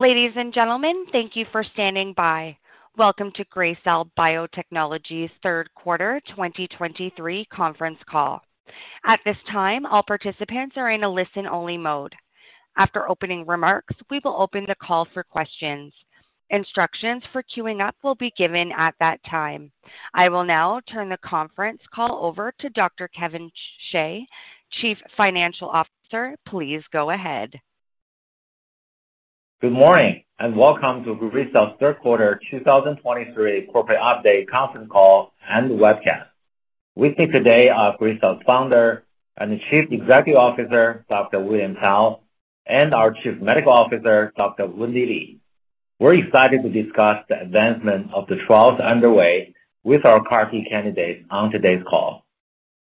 Ladies and gentlemen, thank you for standing by. Welcome to Gracell Biotechnologies' third quarter 2023 conference call. At this time, all participants are in a listen-only mode. After opening remarks, we will open the call for questions. Instructions for queuing up will be given at that time. I will now turn the conference call over to Dr. Kevin Xie, Chief Financial Officer. Please go ahead. Good morning, and welcome to Gracell's third quarter 2023 corporate update conference call and webcast. With me today are Gracell's founder and Chief Executive Officer, Dr. William Cao, and our Chief Medical Officer, Dr. Wendy Li. We're excited to discuss the advancement of the trials underway with our CAR-T candidate on today's call.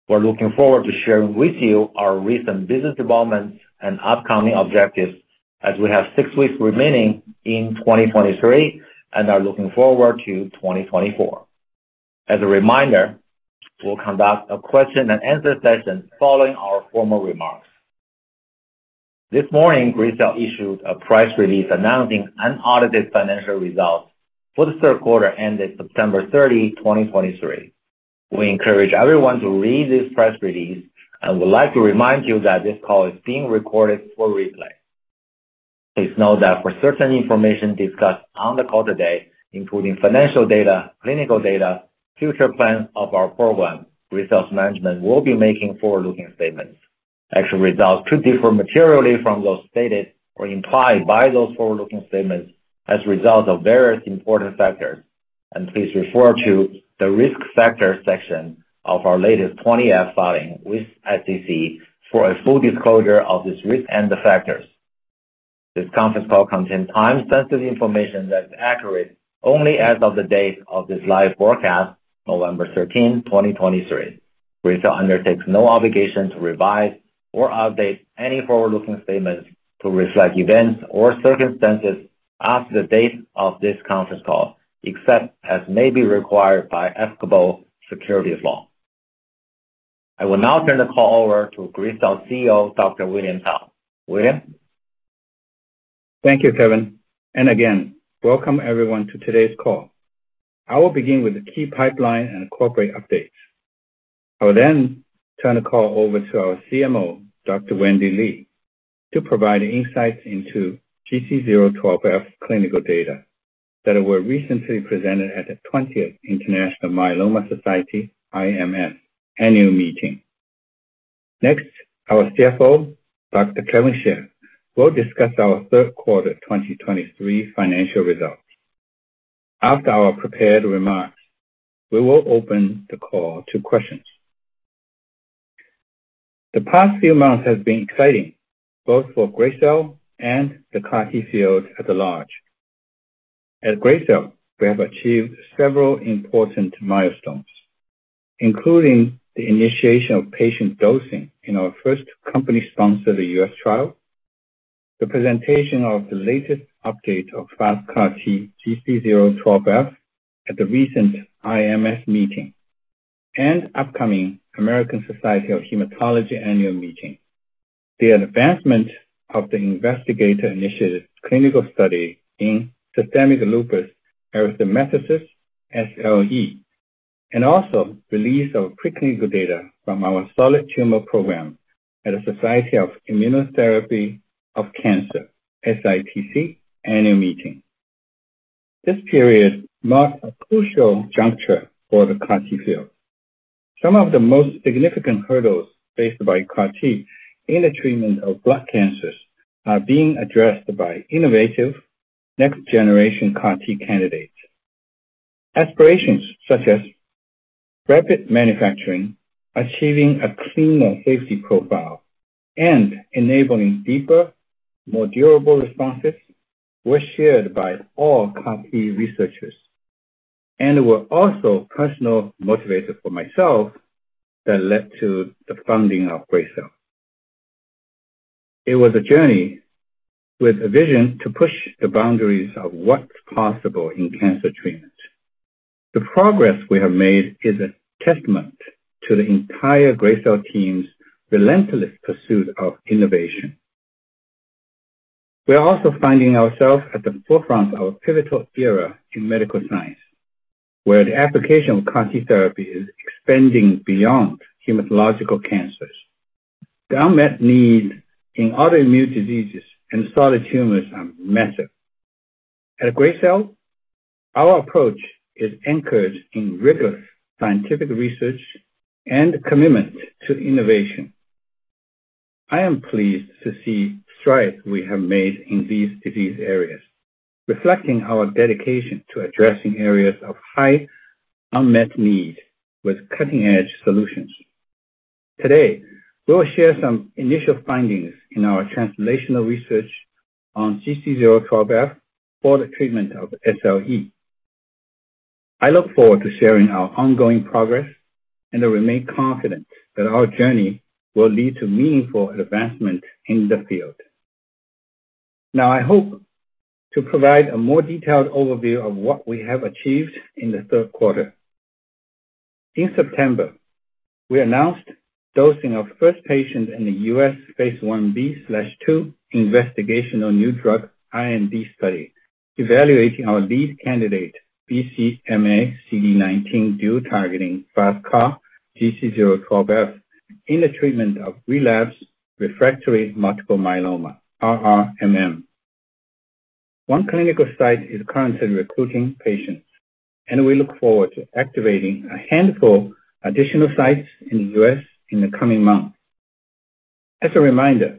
We're looking forward to sharing with you our recent business developments and upcoming objectives as we have six weeks remaining in 2023 and are looking forward to 2024. As a reminder, we'll conduct a question and answer session following our formal remarks. This morning, Gracell issued a press release announcing unaudited financial results for the third quarter ended September 30, 2023. We encourage everyone to read this press release and would like to remind you that this call is being recorded for replay. Please note that for certain information discussed on the call today, including financial data, clinical data, future plans of our program, Gracell's management will be making forward-looking statements. Actual results could differ materially from those stated or implied by those forward-looking statements as a result of various important factors, and please refer to the Risk Factors section of our latest 20-F filing with SEC for a full disclosure of these risks and the factors. This conference call contains time-sensitive information that is accurate only as of the date of this live broadcast, November 13, 2023. Gracell undertakes no obligation to revise or update any forward-looking statements to reflect events or circumstances after the date of this conference call, except as may be required by applicable securities law. I will now turn the call over to Gracell's CEO, Dr. William Cao. William? Thank you, Kevin, and again, welcome everyone to today's call. I will begin with the key pipeline and corporate updates. I will then turn the call over to our CMO, Dr. Wendy Li, to provide insights into GC012F clinical data that were recently presented at the 20th International Myeloma Society, IMS, annual meeting. Next, our CFO, Dr. Kevin Xie, will discuss our third quarter 2023 financial results. After our prepared remarks, we will open the call to questions. The past few months have been exciting, both for Gracell and the CAR-T field at large. At Gracell, we have achieved several important milestones, including the initiation of patient dosing in our first company-sponsored U.S. trial, the presentation of the latest update of FasTCAR GC012F at the recent IMS meeting and upcoming American Society of Hematology annual meeting, the advancement of the investigator-initiated clinical study in systemic lupus erythematosus, SLE, and also release of preclinical data from our solid tumor program at a Society for Immunotherapy of Cancer, SITC, annual meeting. This period marks a crucial juncture for the CAR-T field. Some of the most significant hurdles faced by CAR-T in the treatment of blood cancers are being addressed by innovative next-generation CAR-T candidates. Aspirations such as rapid manufacturing, achieving a cleaner safety profile, and enabling deeper, more durable responses were shared by all CAR-T researchers and were also personal motivators for myself that led to the founding of Gracell. It was a journey with a vision to push the boundaries of what's possible in cancer treatment. The progress we have made is a testament to the entire Gracell's team's relentless pursuit of innovation. We are also finding ourselves at the forefront of a pivotal era in medical science, where the application of CAR-T therapy is expanding beyond hematological cancers. The unmet need in autoimmune diseases and solid tumors are massive. At Gracell, our approach is anchored in rigorous scientific research and commitment to innovation. I am pleased to see strides we have made in these disease areas, reflecting our dedication to addressing areas of high unmet need with cutting-edge solutions. Today, we will share some initial findings in our translational research on GC012F for the treatment of SLE. I look forward to sharing our ongoing progress and I remain confident that our journey will lead to meaningful advancement in the field. Now, I hope to provide a more detailed overview of what we have achieved in the third quarter. In September, we announced dosing our first patient in the U.S. phase Ib/II investigational new drug, IND study, evaluating our lead candidate, BCMA CD19 dual targeting FasTCAR, GC012F, in the treatment of relapsed refractory multiple myeloma, RRMM. One clinical site is currently recruiting patients, and we look forward to activating a handful additional sites in the U.S. in the coming months. As a reminder,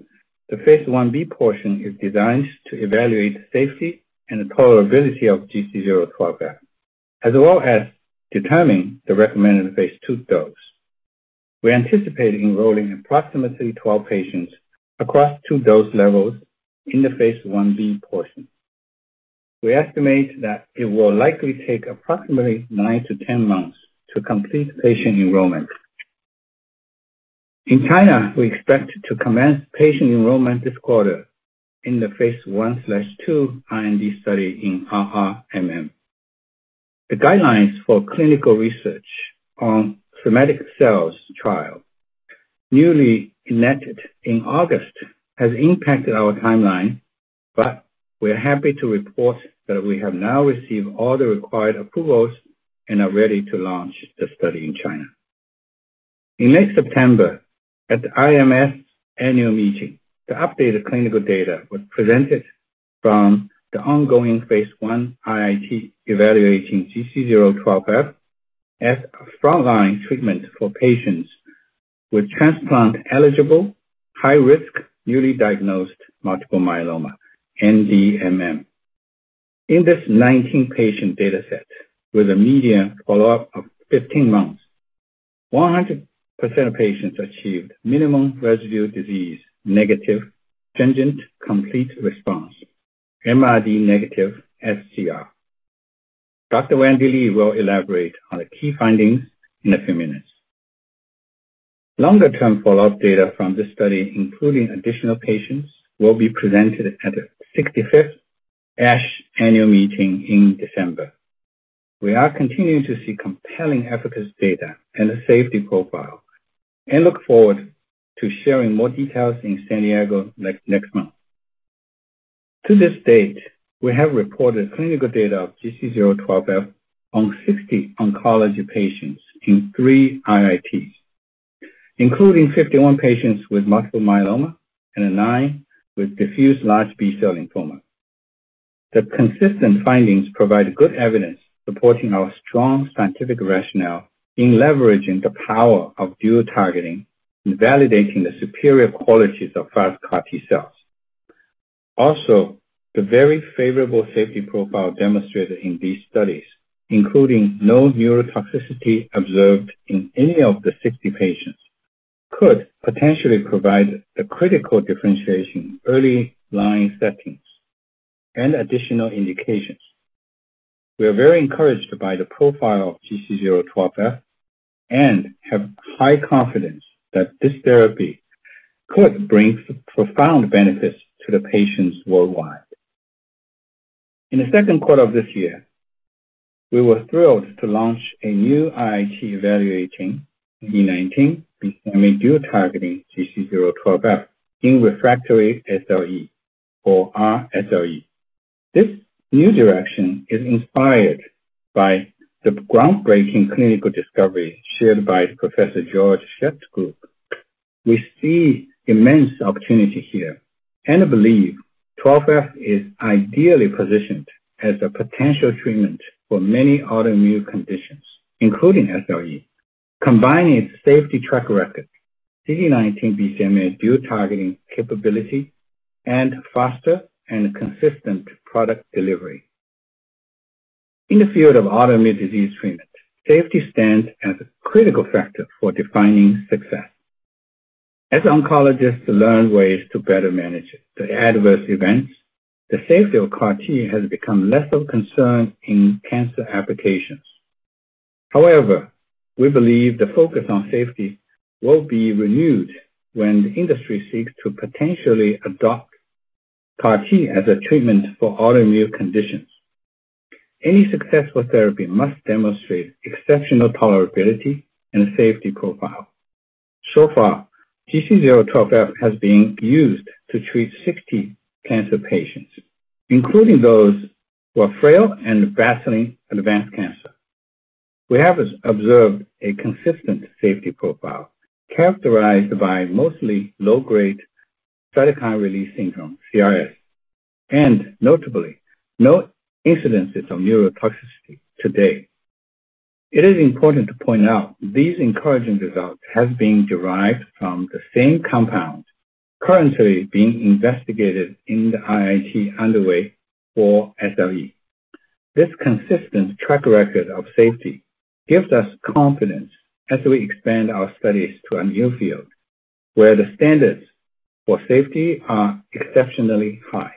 the phase Ib portion is designed to evaluate safety and the tolerability of GC012F, as well as determine the recommended phase II dose. We anticipate enrolling approximately 12 patients across two dose levels in the phase Ib portion. We estimate that it will likely take approximately 9-10 months to complete patient enrollment. In China, we expect to commence patient enrollment this quarter in the phase I/II IND study in RRMM. The guidelines for clinical research on somatic cells trial, newly enacted in August, has impacted our timeline, but we are happy to report that we have now received all the required approvals and are ready to launch the study in China. In late September, at the IMS annual meeting, the updated clinical data was presented from the ongoing phase I IIT, evaluating GC012F as a frontline treatment for patients with transplant-eligible, high-risk, newly diagnosed multiple myeloma, NDMM. In this 19-patient data set, with a median follow-up of 15 months, 100% of patients achieved MRD-negative stringent complete response, MRD-negative sCR. Dr. Wendy Li will elaborate on the key findings in a few minutes. Longer-term follow-up data from this study, including additional patients, will be presented at the 65th ASH annual meeting in December. We are continuing to see compelling efficacy data and a safety profile and look forward to sharing more details in San Diego next month. To this date, we have reported clinical data of GC012F on 60 oncology patients in three IITs, including 51 patients with multiple myeloma and nine with diffuse large B-cell lymphoma. The consistent findings provide good evidence supporting our strong scientific rationale in leveraging the power of dual targeting and validating the superior qualities of FasTCAR. Also, the very favorable safety profile demonstrated in these studies, including no neurotoxicity observed in any of the 60 patients, could potentially provide a critical differentiation, early line settings and additional indications. We are very encouraged by the profile of GC012F and have high confidence that this therapy could bring profound benefits to the patients worldwide. In the second quarter of this year, we were thrilled to launch a new IIT evaluating in CD19, BCMA dual targeting GC012F in refractory SLE or RSLE. This new direction is inspired by the groundbreaking clinical discovery shared by Professor Georg Schett's group. We see immense opportunity here and believe twelve F is ideally positioned as a potential treatment for many autoimmune conditions, including SLE, combining its safety track record, CD19 BCMA dual targeting capability, and faster and consistent product delivery. In the field of autoimmune disease treatment, safety stands as a critical factor for defining success. As oncologists learn ways to better manage the adverse events, the safety of CAR-T has become less of a concern in cancer applications. However, we believe the focus on safety will be renewed when the industry seeks to potentially adopt CAR-T as a treatment for autoimmune conditions. Any successful therapy must demonstrate exceptional tolerability and safety profile. So far, GC012F has been used to treat 60 cancer patients, including those who are frail and battling advanced cancer. We have observed a consistent safety profile characterized by mostly low-grade cytokine release syndrome, CRS, and notably, no incidences of neurotoxicity to date. It is important to point out these encouraging results have been derived from the same compound currently being investigated in the IIT underway for SLE. This consistent track record of safety gives us confidence as we expand our studies to a new field, where the standards for safety are exceptionally high.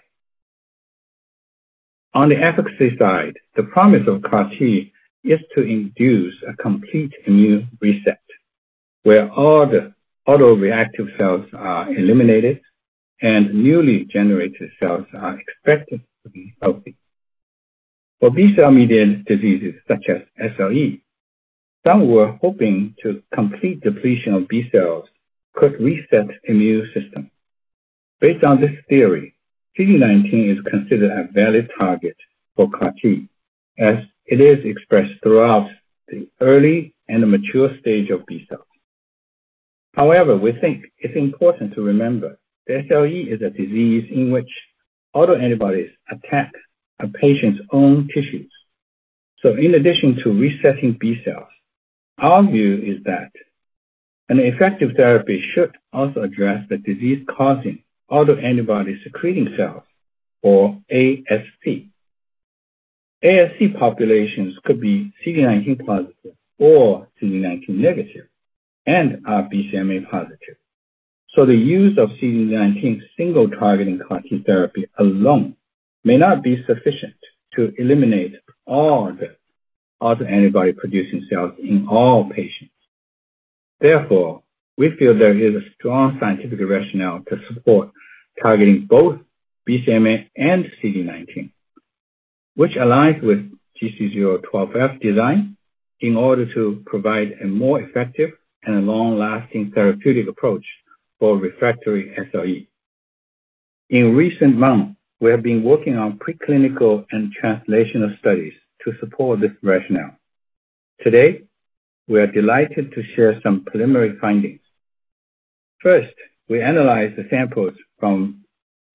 On the efficacy side, the promise of CAR-T is to induce a complete immune reset.... where all the autoreactive cells are eliminated and newly generated cells are expected to be healthy. For B-cell-mediated diseases such as SLE, some were hoping to complete depletion of B-cells could reset immune system. Based on this theory, CD19 is considered a valid target for CAR-T, as it is expressed throughout the early and the mature stage of B-cell. However, we think it's important to remember, the SLE is a disease in which autoantibodies attack a patient's own tissues. So in addition to resetting B-cells, our view is that an effective therapy should also address the disease-causing autoantibody-secreting cells, or ASC. ASC populations could be CD19 positive or CD19-negative, and are BCMA-positive. So the use of CD19 single targeting CAR-T therapy alone may not be sufficient to eliminate all the autoantibody-producing cells in all patients. Therefore, we feel there is a strong scientific rationale to support targeting both BCMA and CD19, which aligns with GC012F design in order to provide a more effective and a long-lasting therapeutic approach for refractory SLE. In recent months, we have been working on preclinical and translational studies to support this rationale. Today, we are delighted to share some preliminary findings. First, we analyzed the samples from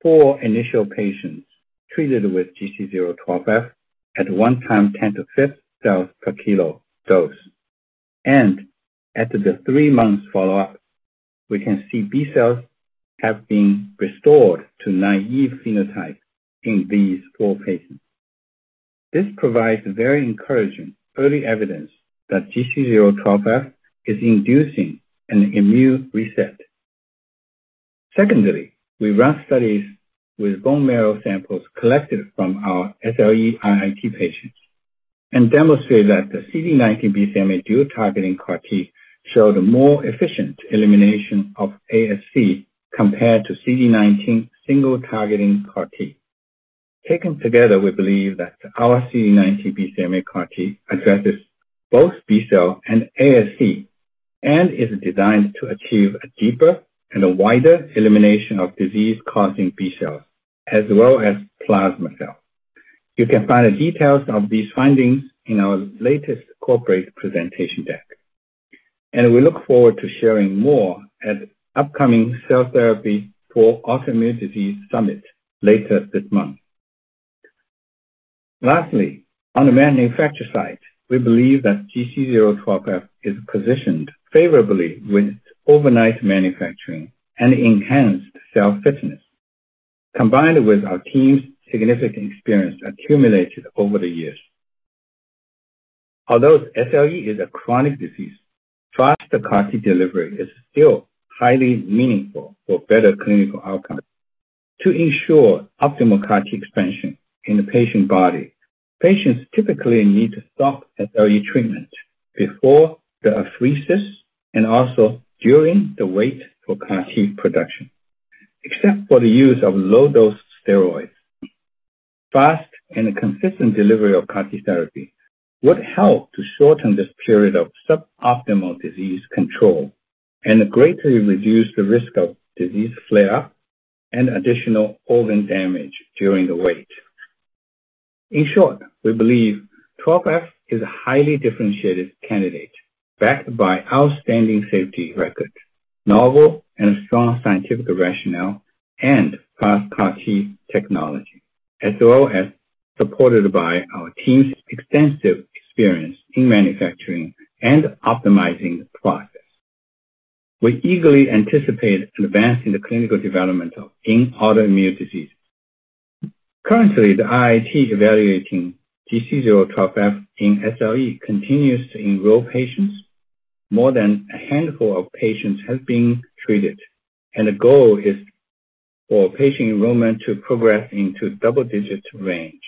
4 initial patients treated with GC012F at 1 × 10^5 cells per kg dose. After the 3-month follow-up, we can see B-cells have been restored to naive phenotype in these 4 patients. This provides very encouraging early evidence that GC012F is inducing an immune reset. Secondly, we ran studies with bone marrow samples collected from our SLE IIT patients, and demonstrated that the CD19/BCMA dual targeting CAR-T showed a more efficient elimination of ASC compared to CD19 single targeting CAR-T. Taken together, we believe that our CD19/BCMA CAR-T addresses both B-cell and ASC, and is designed to achieve a deeper and a wider elimination of disease-causing B-cells, as well as plasma cells. You can find the details of these findings in our latest corporate presentation deck, and we look forward to sharing more at upcoming Cell Therapy for Autoimmunity Summit later this month. Lastly, on the manufacture side, we believe that GC012F is positioned favorably with overnight manufacturing and enhanced cell fitness, combined with our team's significant experience accumulated over the years. Although SLE is a chronic disease, faster CAR-T delivery is still highly meaningful for better clinical outcome. To ensure optimal CAR-T expansion in the patient body, patients typically need to stop SLE treatment before the apheresis and also during the wait for CAR-T production, except for the use of low-dose steroids. Fast and consistent delivery of CAR-T therapy would help to shorten this period of suboptimal disease control and greatly reduce the risk of disease flare-up and additional organ damage during the wait. In short, we believe GC012F is a highly differentiated candidate, backed by outstanding safety record, novel and strong scientific rationale, and fasTCAR technology, as well as supported by our team's extensive experience in manufacturing and optimizing the process. We eagerly anticipate advancing the clinical development of in autoimmune disease. Currently, the IIT evaluating GC012F in SLE continues to enroll patients. More than a handful of patients have been treated, and the goal is for patient enrollment to progress into double-digit range.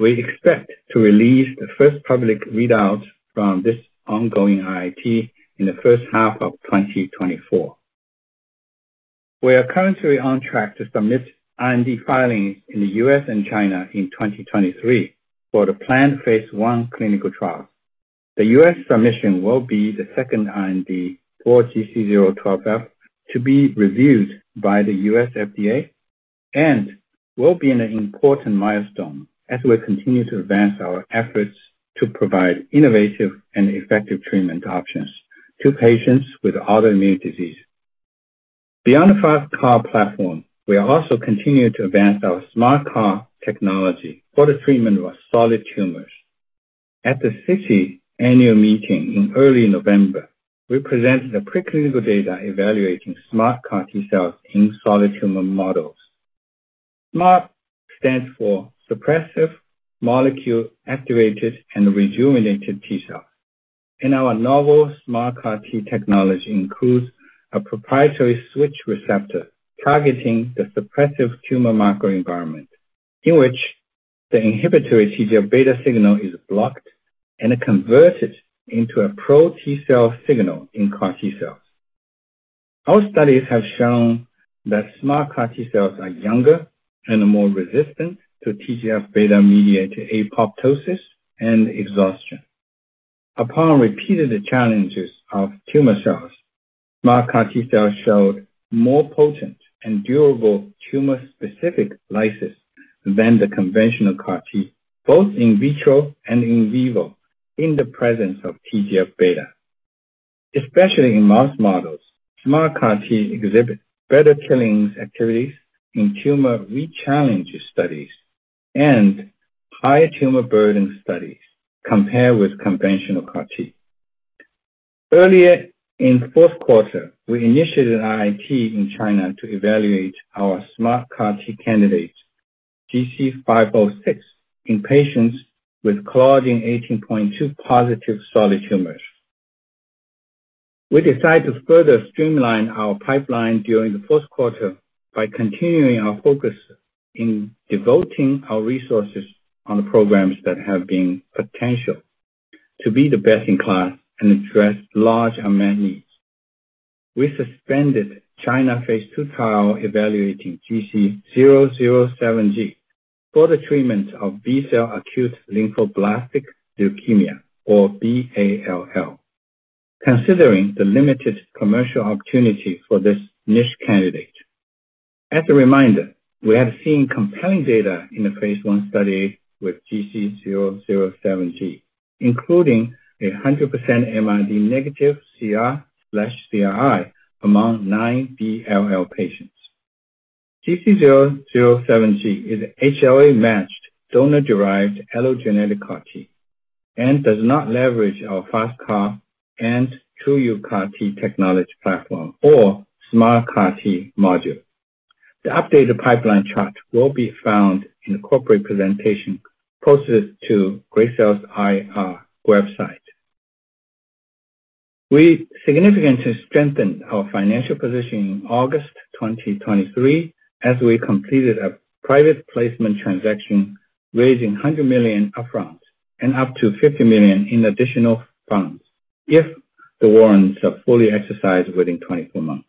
We expect to release the first public readout from this ongoing IIT in the first half of 2024. We are currently on track to submit IND filings in the U.S. and China in 2023 for the planned phase 1 clinical trial. The U.S. submission will be the second IND for GC012F to be reviewed by the U.S. FDA and will be an important milestone as we continue to advance our efforts to provide innovative and effective treatment options to patients with autoimmune disease. Beyond the FasTCAR platform, we are also continuing to advance our SMART CAR-T technology for the treatment of solid tumors. At the SITC annual meeting in early November, we presented the preclinical data evaluating SMART CAR-T-cells in solid tumor models. SMART stands for Suppressive Molecule Activated and Rejuvenated T-cells, and our novel SMART CAR-T technology includes a proprietary switch receptor targeting the suppressive tumor microenvironment. The inhibitory TGF-beta signal is blocked and converted into a pro-T cell signal in CAR-T cells. Our studies have shown that SMART CAR-T cells are younger and more resistant to TGF-beta mediated apoptosis and exhaustion. Upon repeated challenges of tumor cells, SMART CAR-T cells showed more potent and durable tumor-specific lysis than the conventional CAR-T, both in vitro and in vivo, in the presence of TGF-beta. Especially in mouse models, SMART CAR-T exhibit better killing activities in tumor rechallenge studies and higher tumor burden studies compared with conventional CAR-T. Earlier, in fourth quarter, we initiated IIT in China to evaluate our SMART CAR-T candidate, GC506, in patients with Claudin 18.2 positive solid tumors. We decided to further streamline our pipeline during the first quarter by continuing our focus in devoting our resources on the programs that have been potential to be the best-in-class and address large unmet needs. We suspended China phase two trial evaluating GC007g for the treatment of B-cell acute lymphoblastic leukemia, or B-ALL, considering the limited commercial opportunity for this niche candidate. As a reminder, we have seen compelling data in the phase one study with GC007g, including 100% MRD negative CR/CRI among nine ALL patients. GC007g is HLA-matched, donor-derived allogeneic CAR-T, and does not leverage our FasTCAR and TruUCAR technology platform or SMART CAR-T module. The updated pipeline chart will be found in the corporate presentation posted to Gracell's IR website. We significantly strengthened our financial position in August 2023, as we completed a private placement transaction, raising $100 million upfront and up to $50 million in additional funds if the warrants are fully exercised within 24 months.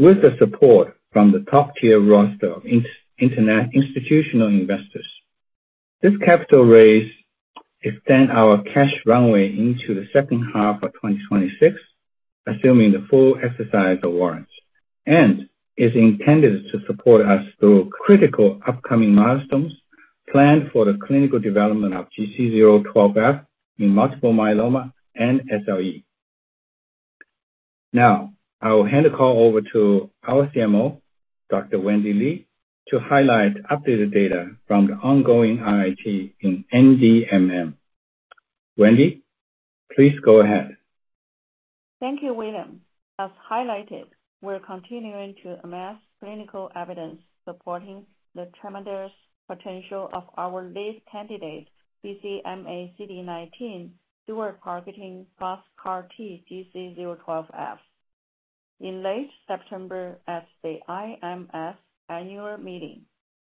With the support from the top-tier roster of institutional investors, this capital raise extend our cash runway into the second half of 2026, assuming the full exercise of warrants, and is intended to support us through critical upcoming milestones planned for the clinical development of GC012F in multiple myeloma and SLE. Now, I will hand the call over to our CMO, Dr. Wendy Li, to highlight updated data from the ongoing IIT in NDMM. Wendy, please go ahead. Thank you, William. As highlighted, we're continuing to amass clinical evidence supporting the tremendous potential of our lead candidate, BCMA CD19 dual targeting FasTCAR GC012F. In late September, at the IMS annual meeting,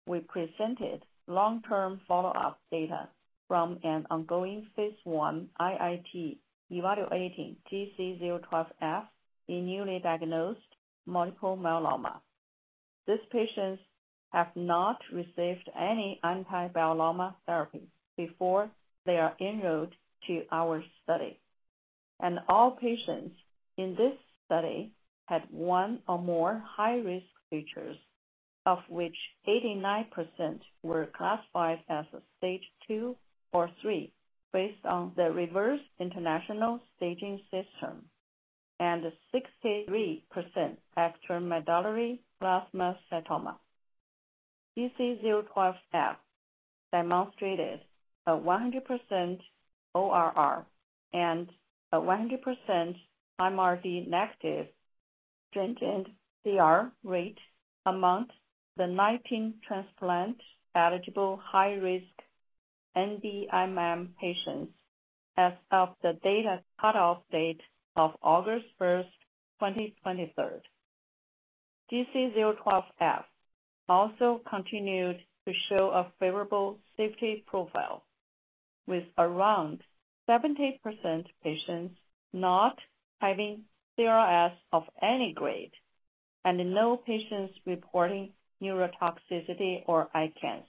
we presented long-term follow-up data from an ongoing phase 1 IIT evaluating GC012F in newly diagnosed multiple myeloma. These patients have not received any anti-myeloma therapy before they are enrolled to our study. All patients in this study had one or more high-risk features, of which 89% were classified as stage two or three based on the Revised International Staging System, and 63% extramedullary plasmacytoma. GC012F demonstrated a 100% ORR and a 100% MRD-negative stringent CR rate among the 19 transplant-eligible high-risk NDMM patients as of the data cutoff date of August 1, 2023. GC012F also continued to show a favorable safety profile, with around 70% patients not having CRS of any grade and no patients reporting neurotoxicity or ICANS.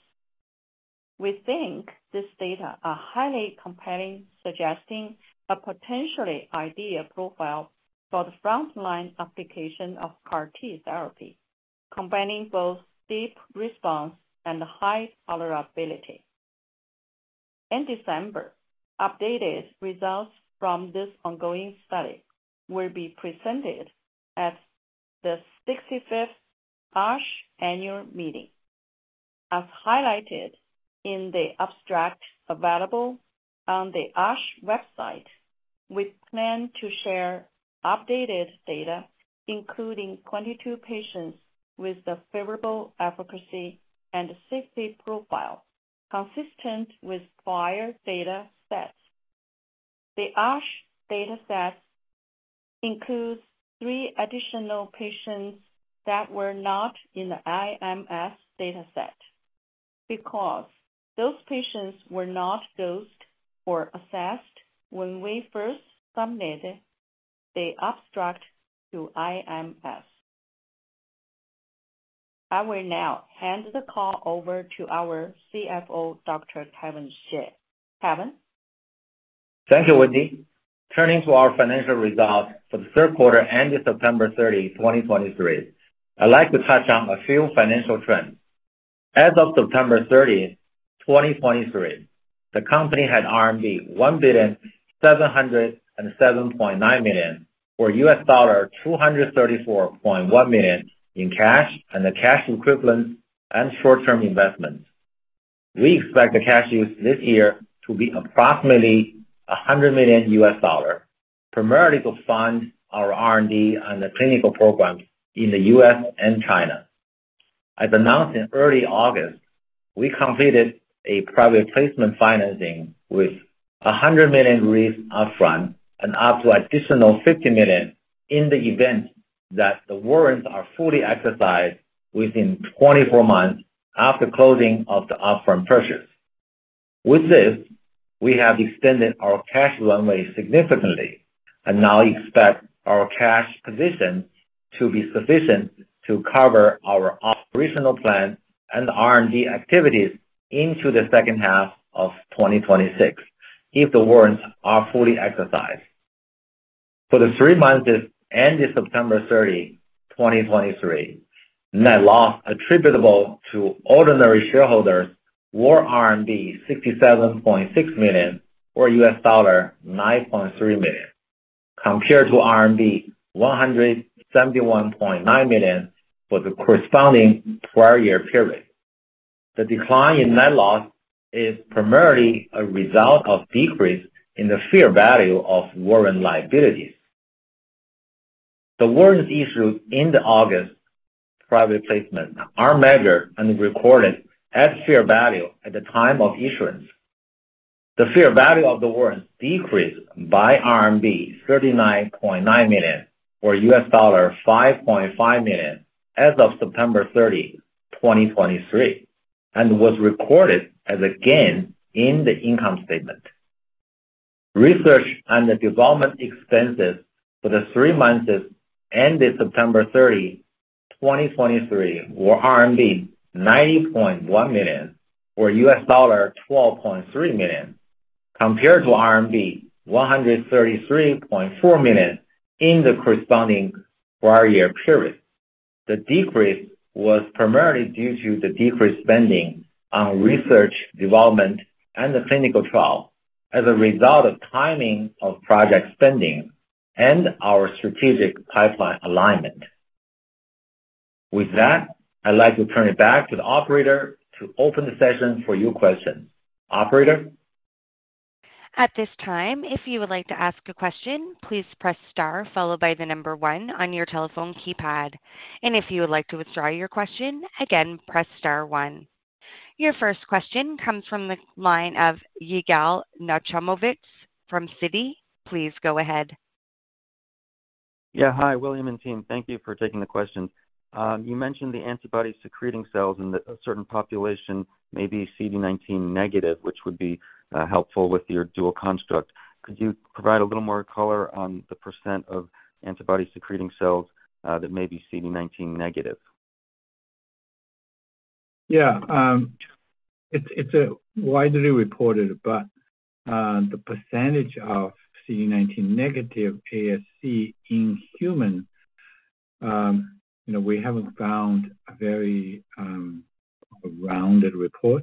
We think these data are highly compelling, suggesting a potentially ideal profile for the frontline application of CAR-T therapy, combining both deep response and high tolerability. In December, updated results from this ongoing study will be presented at the 65th ASH annual meeting. As highlighted in the abstract available on the ASH website, we plan to share updated data, including 22 patients with a favorable efficacy and safety profile consistent with prior data sets.... The ASH data set includes 3 additional patients that were not in the IMS data set, because those patients were not dosed or assessed when we first submitted the abstract to IMS. I will now hand the call over to our CFO, Dr. Kevin Xie. Kevin? Thank you, Wendy. Turning to our financial results for the third quarter ended September 30, 2023, I'd like to touch on a few financial trends. As of September 30, 2023, the company had RMB 1,707.9 million, or $234.1 million in cash and cash equivalents and short-term investments. We expect the cash use this year to be approximately $100 million, primarily to fund our R&D and the clinical programs in the U.S. and China. As announced in early August, we completed a private placement financing with $100 million raised upfront and up to an additional $50 million in the event that the warrants are fully exercised within 24 months after closing of the upfront purchase. With this, we have extended our cash runway significantly and now expect our cash position to be sufficient to cover our operational plan and R&D activities into the second half of 2026, if the warrants are fully exercised. For the three months that ended September 30, 2023, net loss attributable to ordinary shareholders were RMB 67.6 million or $9.3 million, compared to RMB 171.9 million for the corresponding prior year period. The decline in net loss is primarily a result of decrease in the fair value of warrant liabilities. The warrants issued in the August private placement are measured and recorded at fair value at the time of issuance. The fair value of the warrants decreased by RMB 39.9 million, or $5.5 million, as of September 30, 2023, and was recorded as a gain in the income statement. Research and the development expenses for the three months that ended September 30, 2023, were RMB 90.1 million, or $12.3 million, compared to RMB 133.4 million in the corresponding prior year period. The decrease was primarily due to the decreased spending on research, development, and the clinical trial as a result of timing of project spending and our strategic pipeline alignment. With that, I'd like to turn it back to the operator to open the session for your questions. Operator? At this time, if you would like to ask a question, please press star followed by the number one on your telephone keypad. If you would like to withdraw your question, again, press star one. Your first question comes from the line of Yigal Nochomovitz from Citi. Please go ahead. Yeah. Hi, William and team. Thank you for taking the question. You mentioned the antibody secreting cells in a certain population may be CD19-negative, which would be helpful with your dual construct. Could you provide a little more color on the percent of antibody secreting cells that may be CD19-negative? Yeah, it's widely reported, but the percentage of CD19-negative ASC in human, you know, we haven't found a very rounded report.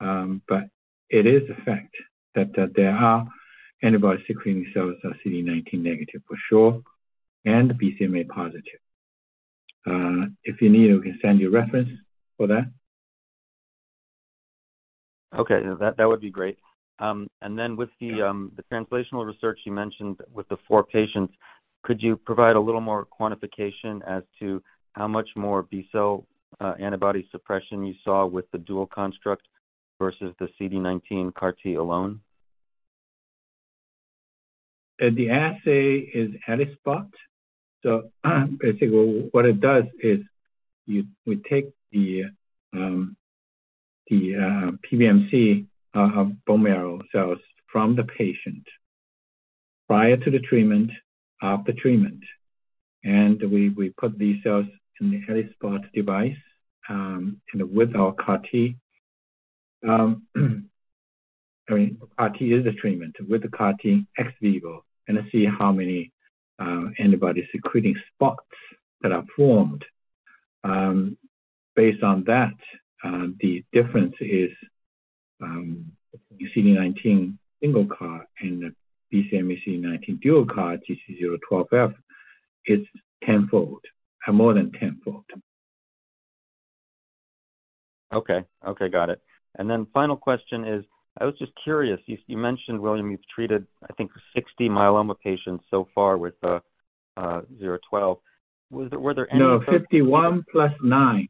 But it is a fact that antibody-secreting cells are CD19-negative for sure, and BCMA-positive. If you need, we can send you a reference for that. Okay, that, that would be great. And then with the translational research you mentioned with the four patients, could you provide a little more quantification as to how much more B-cell antibody suppression you saw with the dual construct versus the CD19 CAR-T alone? The assay is ELISpot. So, basically, what it does is we take the PBMC of bone marrow cells from the patient prior to the treatment, after treatment, and we put these cells in the ELISpot device, and with our CAR-T. I mean, CAR-T is the treatment, with the CAR-T ex vivo, and see how many antibody-secreting spots that are formed. Based on that, the difference is the CD19 single CAR and the BCMA CD19 dual CAR, GC012F, it's tenfold. More than tenfold. Okay. Okay, got it. And then final question is: I was just curious, you mentioned, William, you've treated, I think, 60 myeloma patients so far with GC012F. Was there, were there any- No, 51 plus 9.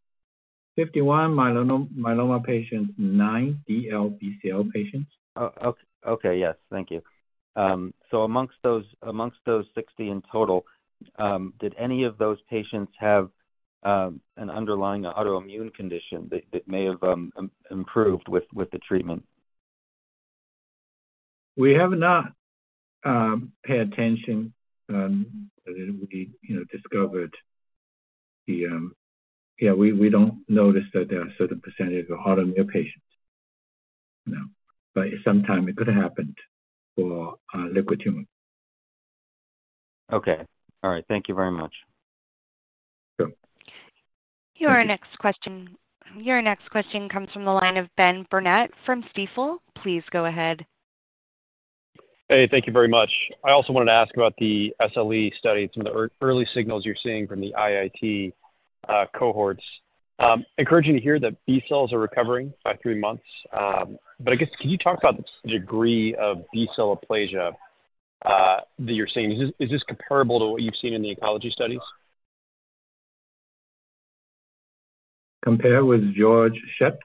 51 myeloma patients, 9 DLBCL patients. Okay. Yes. Thank you. So, amongst those, amongst those 60 in total, did any of those patients have an underlying autoimmune condition that may have improved with the treatment? We have not paid attention, we, you know, discovered the... Yeah, we, we don't notice that there are certain percentage of autoimmune patients. No, but sometimes it could have happened for liquid tumor. Okay. All right. Thank you very much. Sure. Your next question, your next question comes from the line of Ben Burnett from Stifel. Please go ahead. Hey, thank you very much. I also wanted to ask about the SLE study and some of the early signals you're seeing from the IIT cohorts. Encouraging to hear that B-cells are recovering by three months, but I guess could you talk about the degree of B-cell aplasia that you're seeing? Is this comparable to what you've seen in the oncology studies? Compare with Georg Schett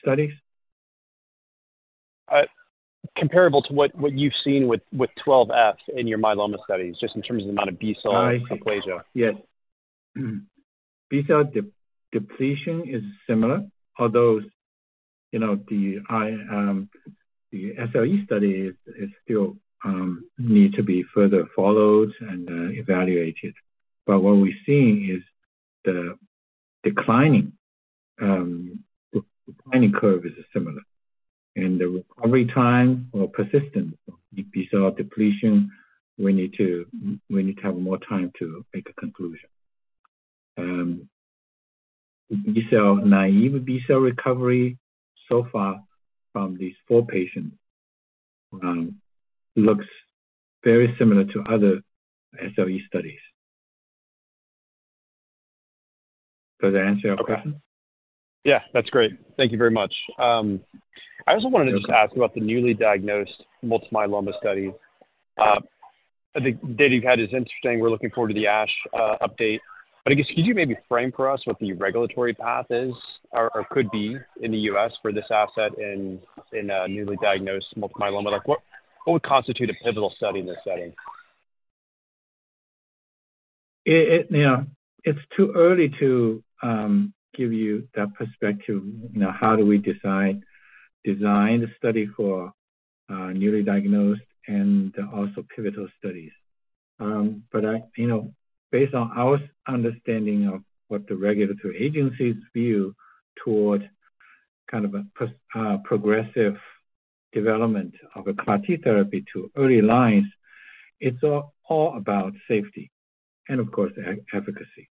studies? Comparable to what you've seen with 12F in your myeloma studies, just in terms of the amount of B-cell aplasia. I see. Yes. B-cell depletion is similar, although, you know, the SLE study is still needed to be further followed and evaluated. But what we're seeing is the declining curve is similar, and the recovery time or persistence of B-cell depletion, we need to have more time to make a conclusion. B-cell, naive B-cell recovery so far from these four patients looks very similar to other SLE studies. Does that answer your question? Yeah, that's great. Thank you very much. I also wanted to just ask about the newly diagnosed multiple myeloma study. The data you've had is interesting. We're looking forward to the ASH update, but I guess could you maybe frame for us what the regulatory path is or, or could be in the U.S. for this asset in newly diagnosed multiple myeloma? Like, what would constitute a pivotal study in this setting? It, you know, it's too early to give you that perspective. You know, how do we design the study for newly diagnosed and also pivotal studies? But I, you know, based on our understanding of what the regulatory agencies view toward kind of a post-progressive development of a CAR-T therapy to early lines, it's all about safety and of course, efficacy.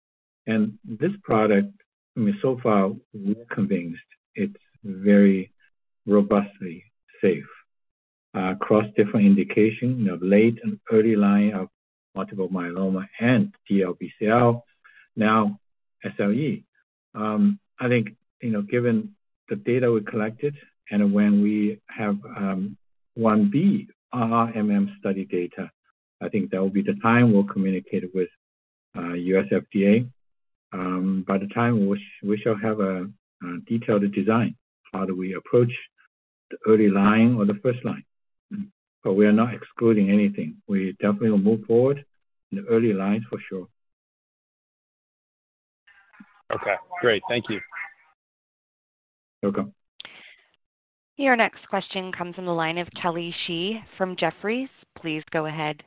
And this product, I mean, so far, we're convinced it's very robustly safe across different indications, you know, late and early line of multiple myeloma and DLBCL, now SLE. I think, you know, given the data we collected and when we have 1b, RRMM study data, I think that will be the time we'll communicate it with U.S. FDA. By the time we shall have a detailed design, how do we approach the early line or the first line? But we are not excluding anything. We definitely will move forward in the early lines for sure. Okay, great. Thank you. You're welcome. Your next question comes from the line of Kelly Shi from Jefferies. Please go ahead.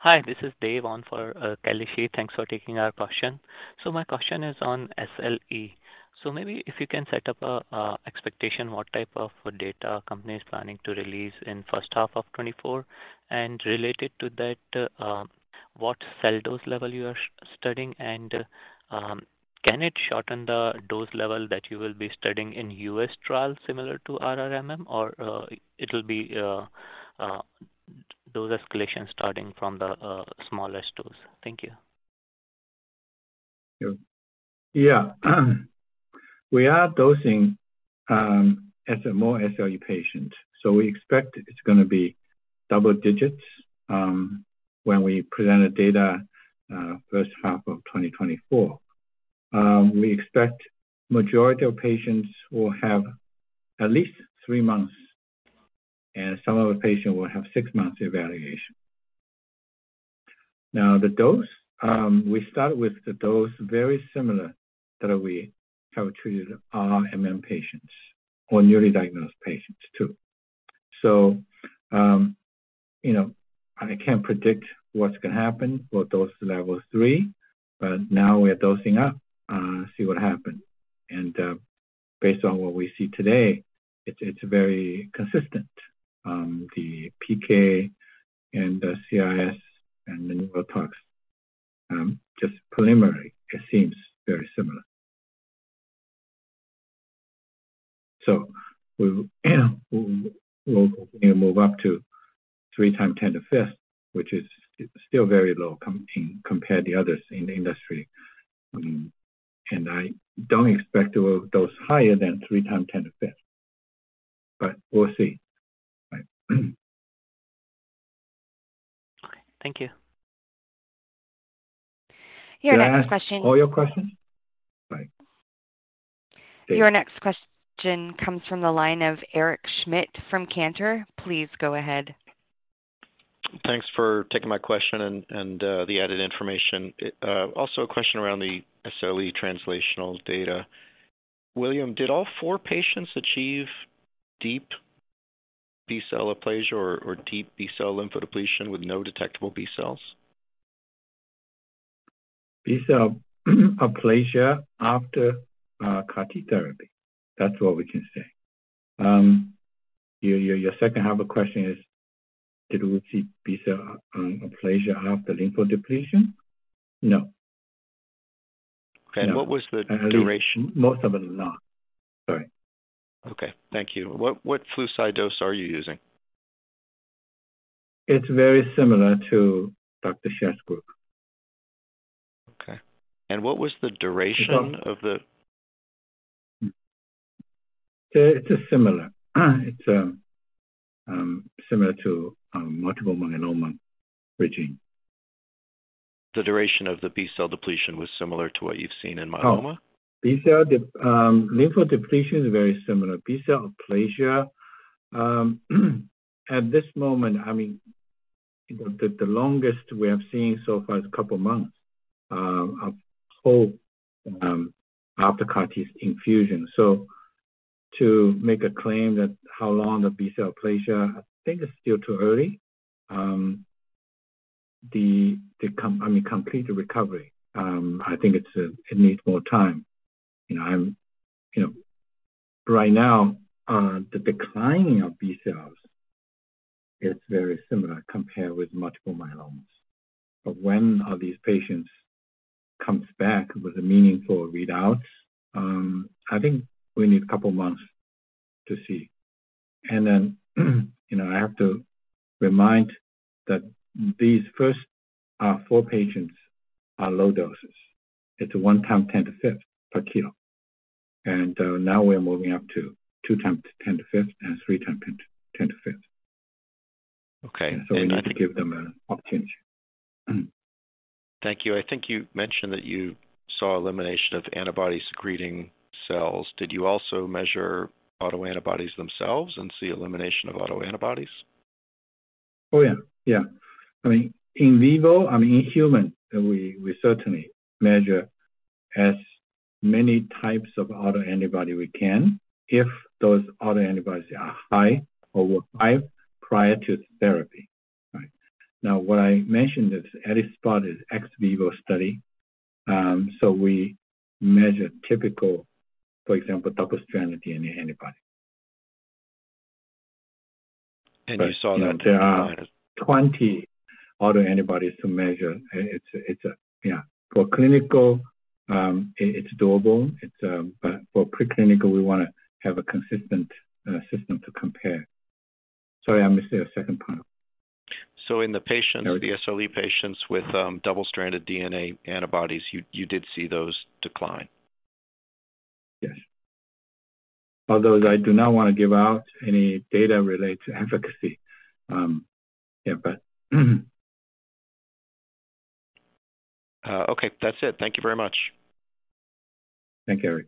Hi, this is Dave on for Kelly Shi. Thanks for taking our question. So my question is on SLE. So maybe if you can set up a expectation, what type of data company is planning to release in first half of 2024, and related to that, what cell dose level you are studying? And can it shorten the dose level that you will be studying in U.S. trials similar to RRMM, or it will be dose escalation starting from the smallest dose? Thank you. Yeah. Yeah. We are dosing as more SLE patients, so we expect it's going to be double digits when we present the data first half of 2024. We expect majority of patients will have at least 3 months, and some of the patients will have 6 months evaluation. Now, the dose, we start with the dose very similar that we have treated RRMM patients or newly diagnosed patients, too. So, you know, I can't predict what's going to happen for dose level 3, but now we are dosing up, see what happens. And, based on what we see today, it's, it's very consistent. The PK and the CRS and the neurotoxicity, just preliminary, it seems very similar. We will move up to 300,000, which is still very low compared to others in the industry. And I don't expect to dose higher than 300,000, but we'll see. Right.... Thank you. Your next question- Did I answer all your questions? Bye. Your next question comes from the line of Eric Schmidt from Cantor. Please go ahead. Thanks for taking my question and the added information. Also a question around the SLE translational data. William, did all four patients achieve deep B-cell aplasia or deep B-cell lymphodepletion with no detectable B-cells? B-cell aplasia after CAR-T therapy. That's what we can say. Your second half of question is, did we see B-cell aplasia after lymphodepletion? No. Okay. What was the duration? Most of it is not. Sorry. Okay. Thank you. What, what fludarabine dose are you using? It's very similar to Dr. Schett's group. Okay. And what was the duration of the- It's similar. It's similar to multiple myeloma regimen. The duration of the B-cell depletion was similar to what you've seen in myeloma? Oh, B-cell lymphodepletion is very similar. B-cell aplasia, at this moment, I mean, the longest we have seen so far is a couple of months of hope after CAR-T infusion. So to make a claim that how long the B-cell aplasia, I think it's still too early. The, I mean, complete recovery, I think it's, it needs more time. You know, I'm, you know... Right now, the declining of B-cells is very similar compared with multiple myelomas. But when are these patients comes back with a meaningful readout, I think we need a couple of months to see. And then, you know, I have to remind that these first four patients are low doses. It's a 1 × 10^5 per kilo, and now we're moving up to 2 × 10^5 and 3 × 10^5. Okay. We need to give them an opportunity. Thank you. I think you mentioned that you saw elimination of antibody-secreting cells. Did you also measure autoantibodies themselves and see elimination of autoantibodies? Oh, yeah. Yeah. I mean, in vivo, I mean, in human, we, we certainly measure as many types of autoantibody we can if those autoantibodies are high or were high prior to therapy, right? Now, what I mentioned is ELISpot is ex vivo study. So we measure typical, for example, double-stranded DNA antibody. You saw that- There are 20 autoantibodies to measure. It's yeah. For clinical, it's doable, but for preclinical, we wanna have a consistent system to compare. Sorry, I missed your second part. In the patient, the SLE patients with double-stranded DNA antibodies, you did see those decline? Yes. Although I do not want to give out any data related to efficacy. Yeah, but... Okay, that's it. Thank you very much. Thank you, Eric.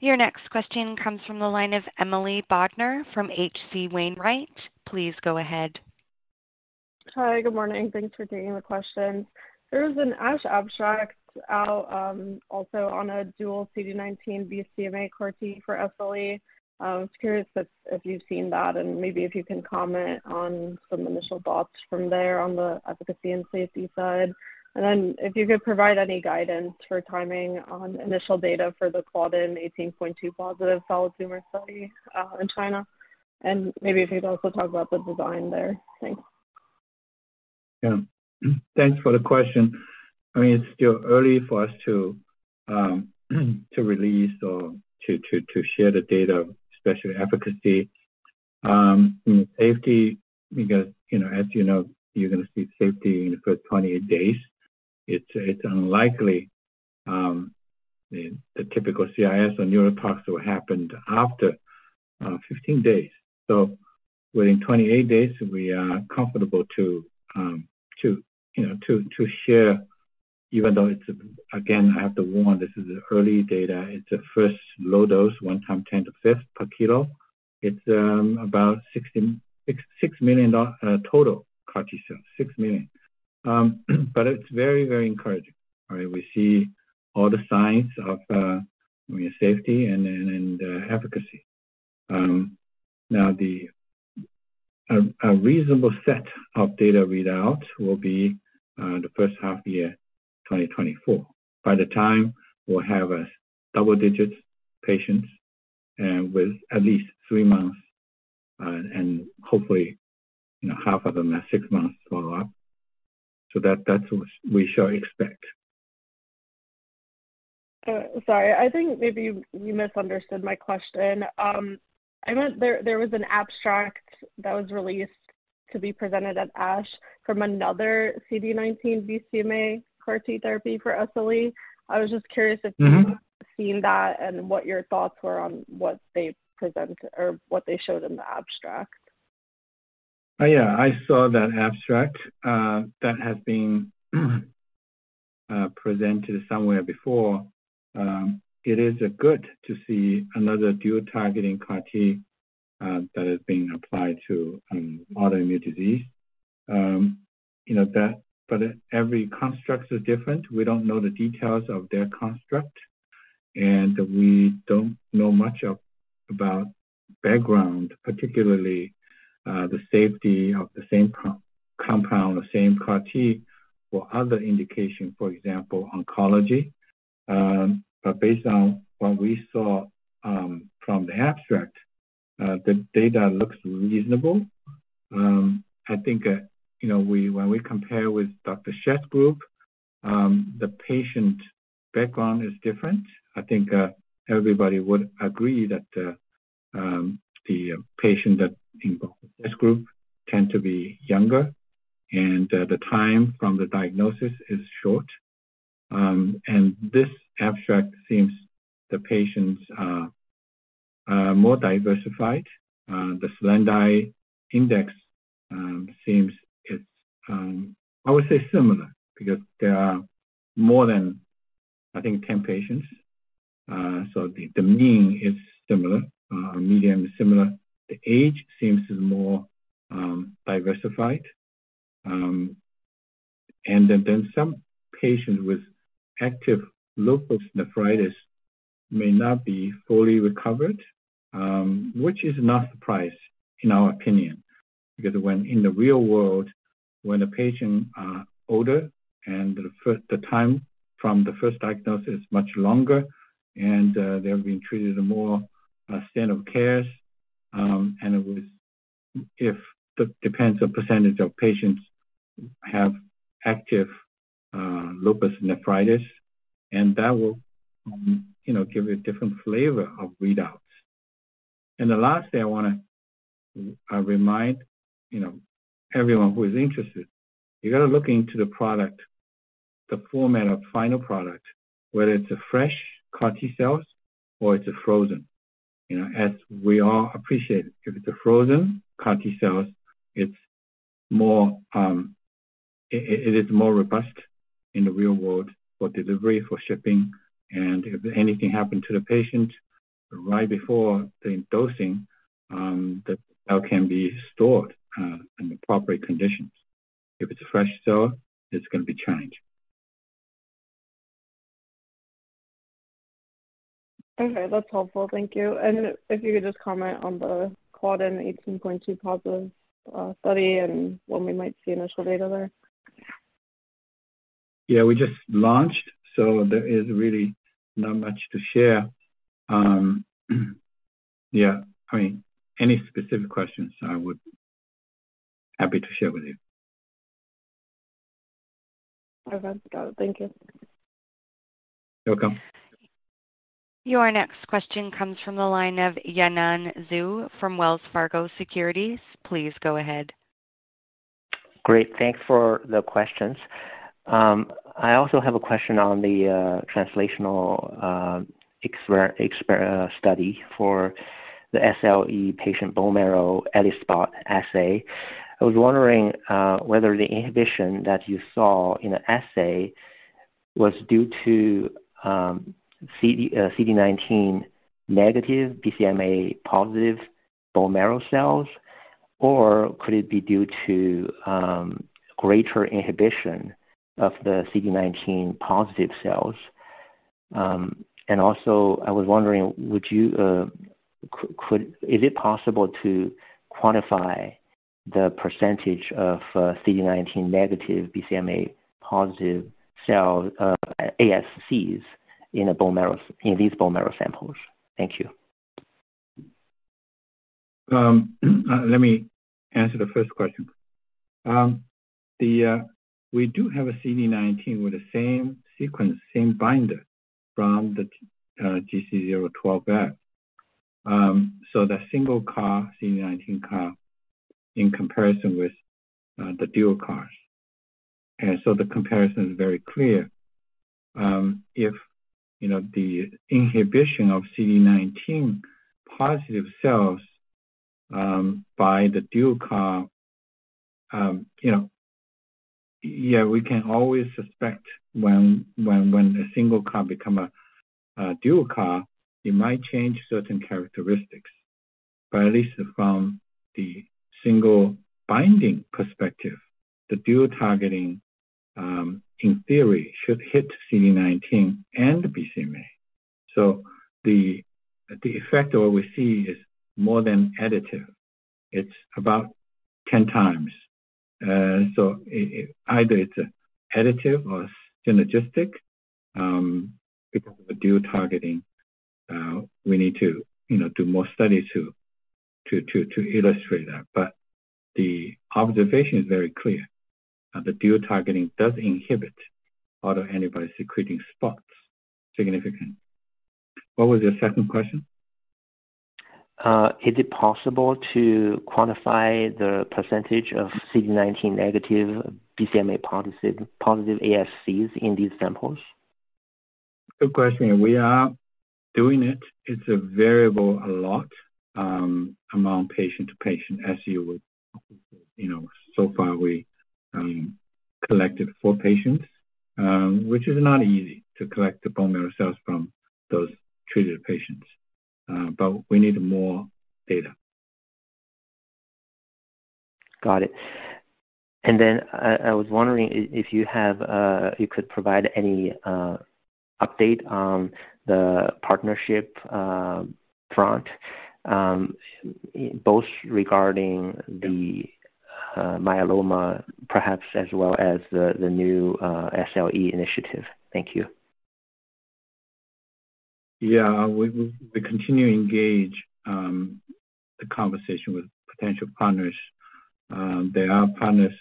Your next question comes from the line of Emily Bodnar from H.C. Wainwright. Please go ahead. Hi, good morning. Thanks for taking the question. There is an ASH abstract out, also on a dual CD19 BCMA CAR-T for SLE. I was curious if, if you've seen that and maybe if you can comment on some initial thoughts from there on the efficacy and safety side. And then if you could provide any guidance for timing on initial data for the Claudin 18.2 positive solid tumor study in China, and maybe if you'd also talk about the design there. Thanks. Yeah. Thanks for the question. I mean, it's still early for us to release or to share the data, especially efficacy. Safety, because, you know, as you know, you're going to see safety in the first 28 days. It's unlikely the typical CRS or neurotoxicity will happen after 15 days. So within 28 days, we are comfortable to you know to share, even though it's, again, I have to warn, this is early data. It's a first low dose, 1 × 10 to the fifth per kilo. It's about 66 million total CAR-T cells, 6 million. But it's very, very encouraging. I mean, we see all the signs of safety and efficacy. Now, a reasonable set of data readouts will be the first half year, 2024. By the time we'll have a double-digit patients and with at least three months, and hopefully, you know, half of them are six months follow-up. So that, that's what we shall expect. Sorry, I think maybe you misunderstood my question. I meant there was an abstract that was released to be presented at ASH from another CD19 BCMA CAR-T therapy for SLE. I was just curious if- Mm-hmm.... seen that and what your thoughts were on what they present or what they showed in the abstract? Yeah, I saw that abstract that has been presented somewhere before. It is good to see another dual targeting CAR-T that is being applied to autoimmune disease. You know that, but every construct is different. We don't know the details of their construct, and we don't know much of about background, particularly the safety of the same compound, the same CAR-T for other indications, for example, oncology. But based on what we saw from the abstract, the data looks reasonable. I think, you know, when we compare with Dr. Schett's group, the patient background is different. I think everybody would agree that the patient that involved with this group tend to be younger, and the time from the diagnosis is short. And this abstract seems the patients are more diversified. The SLEDAI index seems it's I would say similar because there are more than I think 10 patients. So the mean is similar, median is similar. The age seems to be more diversified. And then some patients with active lupus nephritis may not be fully recovered, which is not surprising in our opinion, because when in the real world, when the patients are older and the time from the first diagnosis is much longer, and they're being treated more standard care, and it all depends on percentage of patients have active lupus nephritis, and that will, you know, give a different flavor of readouts. The last thing I want to remind, you know, everyone who is interested, you got to look into the product, the format of final product, whether it's a fresh CAR-T cells or it's a frozen. You know, as we all appreciate, if it's a frozen CAR-T cells, it's more robust in the real world for delivery, for shipping, and if anything happened to the patient right before the dosing, the cell can be stored in the proper conditions. If it's a fresh cell, it's going to be challenged. Okay, that's helpful. Thank you. And if you could just comment on the Claudin and 18.2 positive study and when we might see initial data there. Yeah, we just launched, so there is really not much to share. Yeah, I mean, any specific questions I would be happy to share with you. Okay. Got it. Thank you. You're welcome. Your next question comes from the line of Yannan Zhu from Wells Fargo Securities. Please go ahead. Great, thanks for the questions. I also have a question on the translational study for the SLE patient bone marrow ELISpot assay. I was wondering whether the inhibition that you saw in the assay was due to CD19-negative, BCMA-positive bone marrow cells, or could it be due to greater inhibition of the CD19 positive cells? And also, I was wondering, is it possible to quantify the percentage of CD19-negative, BCMA-positive cells, ASCs in a bone marrow, in these bone marrow samples? Thank you. Let me answer the first question. We do have a CD19 with the same sequence, same binder from the GC012F. So the single CAR-T, CD19 CAR-T, in comparison with the dual CAR-Ts, and so the comparison is very clear. If you know, the inhibition of CD19 positive cells by the dual CAR-T, you know, yeah, we can always suspect when a single CAR-T become a dual CAR-T, it might change certain characteristics. But at least from the single binding perspective, the dual targeting, in theory, should hit CD19 and BCMA. So the effect of what we see is more than additive. It's about 10 times. So either it's additive or synergistic, because of the dual targeting. We need to, you know, do more studies to illustrate that. But the observation is very clear that the dual targeting does inhibit autoantibody-secreting spots, significant. What was your second question?... is it possible to quantify the percentage of CD19-negative BCMA-positive, positive ASCs in these samples? Good question. We are doing it. It varies a lot, from patient to patient, as you would, you know. So far we collected 4 patients, which is not easy to collect the bone marrow cells from those treated patients, but we need more data. Got it. And then, I was wondering if you have, you could provide any update on the partnership front, both regarding the myeloma perhaps as well as the new SLE initiative. Thank you. Yeah, we continue to engage the conversation with potential partners. There are partners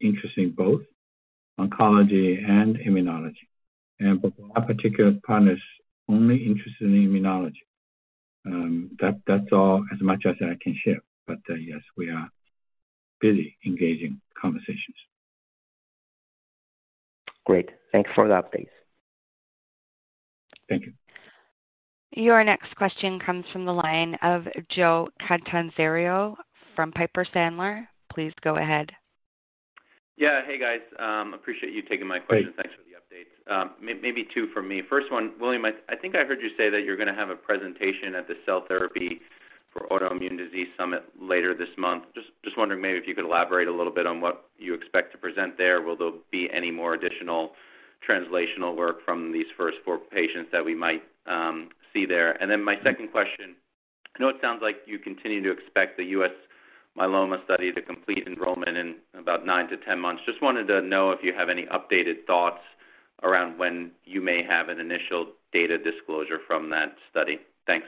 interested in both oncology and immunology, and but there are particular partners only interested in immunology. That's all, as much as I can share. But yes, we are busy engaging conversations. Great. Thanks for the updates. Thank you. Your next question comes from the line of Joe Catanzaro from Piper Sandler. Please go ahead. Yeah. Hey, guys. Appreciate you taking my question. Great. Thanks for the updates. Maybe two for me. First one, William, I think I heard you say that you're going to have a presentation at the Cell Therapy for Autoimmune Disease Summit later this month. Just wondering maybe if you could elaborate a little bit on what you expect to present there. Will there be any more additional translational work from these first four patients that we might see there? And then my second question: I know it sounds like you continue to expect the U.S. myeloma study to complete enrollment in about 9-10 months. Just wanted to know if you have any updated thoughts around when you may have an initial data disclosure from that study. Thanks.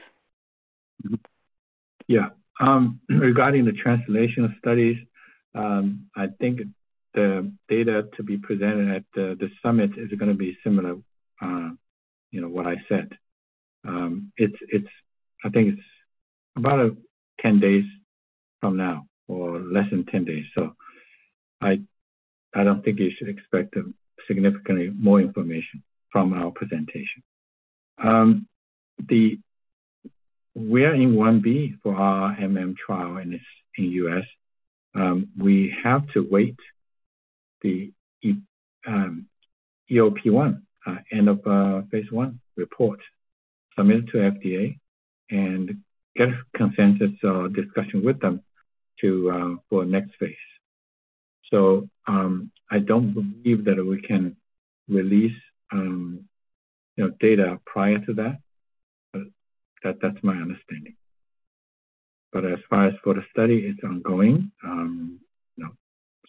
Yeah. Regarding the translational studies, I think the data to be presented at the summit is going to be similar, you know, what I said. It's—I think it's about 10 days from now or less than 10 days, so I don't think you should expect significantly more information from our presentation. We are in 1B for our MM trial, and it's in U.S. We have to wait the EOP1, end of phase 1 report submitted to FDA and get consensus or discussion with them to for next phase. So, I don't believe that we can release, you know, data prior to that, but that's my understanding. But as far as for the study, it's ongoing. You know,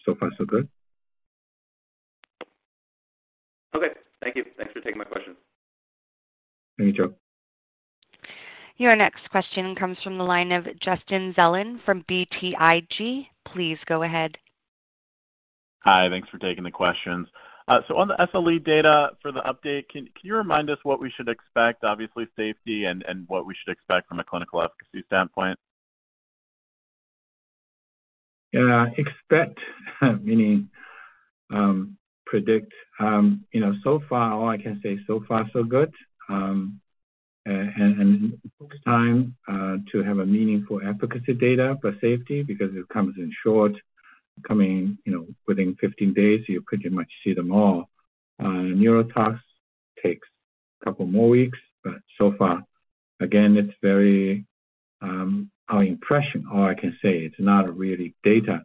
so far, so good. Okay. Thank you. Thanks for taking my question. Thank you, Joe. Your next question comes from the line of Justin Zelin from BTIG. Please go ahead. Hi, thanks for taking the questions. So on the SLE data for the update, can you remind us what we should expect, obviously, safety and what we should expect from a clinical efficacy standpoint? Yeah, expect, meaning, predict. You know, so far, all I can say, so far, so good. And it takes time to have a meaningful efficacy data for safety because it comes in short, coming, you know, within 15 days, you pretty much see them all. Neurotox takes a couple more weeks, but so far, again, it's very... Our impression, all I can say, it's not really data.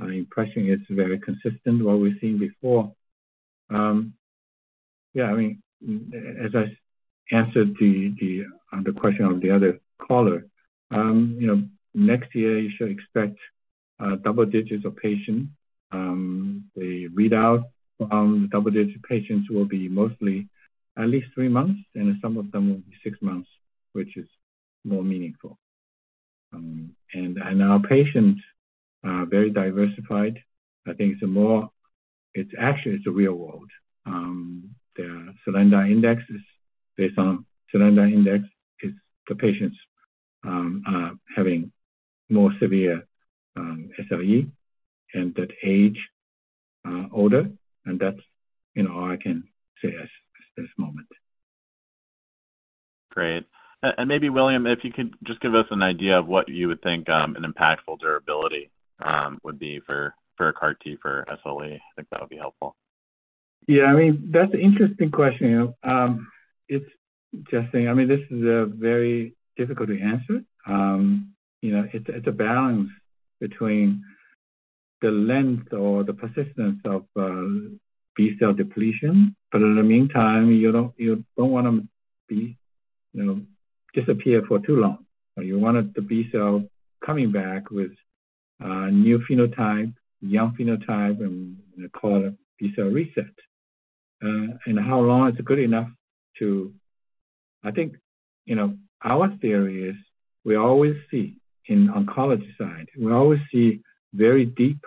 Our impression, it's very consistent what we've seen before. Yeah, I mean, as I answered on the question of the other caller, you know, next year you should expect double digits of patients. The readout on the double digit patients will be mostly at least 3 months, and some of them will be 6 months, which is more meaningful. And our patients are very diversified. I think it's a more - it's actually, it's the real world. The SLEDAI is, based on SLEDAI, it's the patients are having more severe SLE and that age older, and that's, you know, all I can say at this moment. Great. And maybe, William, if you could just give us an idea of what you would think an impactful durability would be for a CAR-T for SLE. I think that would be helpful. Yeah, I mean, that's an interesting question. It's just, I mean, this is a very difficult to answer. You know, it's, it's a balance between the length or the persistence of B-cell depletion, but in the meantime, you don't, you don't want them to be, you know, disappear for too long. You want the B-cell coming back with new phenotype, young phenotype, and we call it B-cell reset. And how long is it good enough to... I think, you know, our theory is we always see, in oncology side, we always see very deep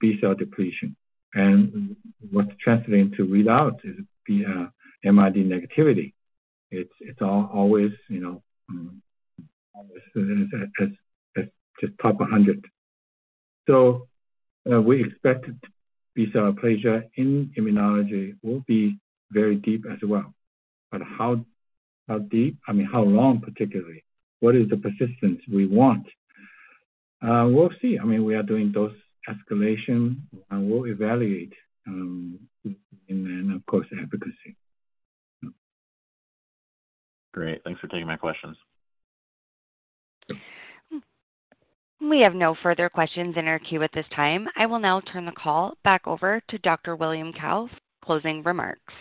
B-cell depletion, and what's translating to readout is the MRD negativity. It's, it's always, you know, at the top 100. So we expect B-cell aplasia in immunology will be very deep as well. But how, how deep, I mean, how long, particularly? What is the persistence we want? We'll see. I mean, we are doing those escalation, and we'll evaluate, and then, of course, efficacy. Great. Thanks for taking my questions. We have no further questions in our queue at this time. I will now turn the call back over to Dr. William Cao for closing remarks.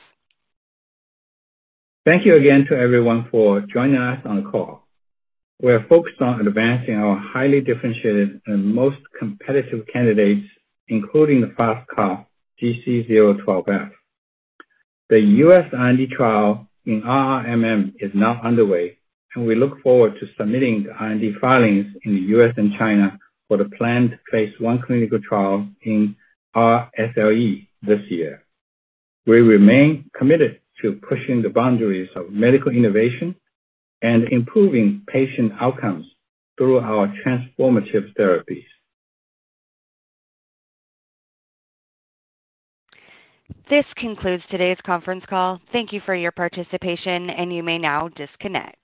Thank you again to everyone for joining us on the call. We are focused on advancing our highly differentiated and most competitive candidates, including the FasTCAR GC012F. The U.S. IND trial in RRMM is now underway, and we look forward to submitting IND filings in the U.S. and China for the planned phase one clinical trial in RSLE this year. We remain committed to pushing the boundaries of medical innovation and improving patient outcomes through our transformative therapies. This concludes today's conference call. Thank you for your participation, and you may now disconnect.